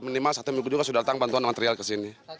minimal satu minggu juga sudah datang bantuan material ke sini